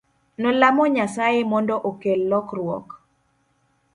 Nolamo Nyasaye mondo okel lokruok.